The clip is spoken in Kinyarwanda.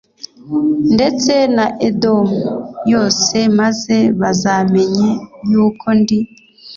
ndetse na Edomu yose maze bazamenye yuko ndi